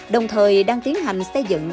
đồng thời đang tiến hành xây dựng